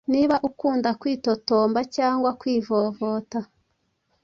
Niba ukunda kwitotomba, cyangwa kwivovota,